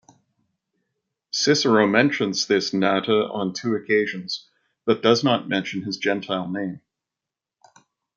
Cicero mentions this Natta on two occasions, but does not mention his gentile name.